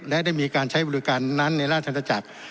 และได้มีการใช้บริการนั้นในราชนาจักร